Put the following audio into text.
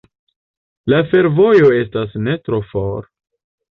La fervojo estas ne tro for.